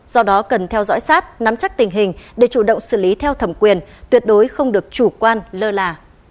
do đó cần theo dõi sát nắm chắc tình hình để chủ động xử lý theo thẩm quyền tuyệt đối không được chủ quan lơ là